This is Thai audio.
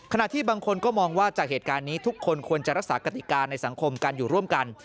ที่บางคนก็มองว่าจากเหตุการณ์นี้ทุกคนควรจะรักษากติกาในสังคมการอยู่ร่วมกัน